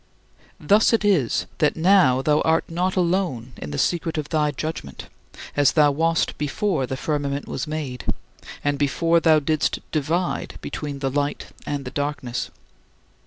Thus it is that now thou art not alone in the secret of thy judgment as thou wast before the firmament was made, and before thou didst divide between the light and the darkness.